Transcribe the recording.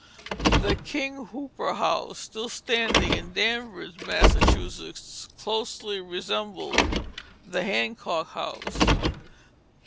The "King Hooper" House, still standing in Danvers, Massachusetts, closely resembled the Hancock House.